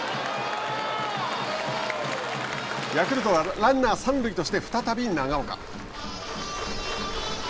ヤクルトはランナー三塁として再び長岡。